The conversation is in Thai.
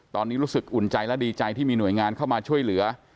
ตอนนี้รู้สึกอุ่นใจและดีใจที่มีหน่วยงานเข้ามาช่วยเหลือ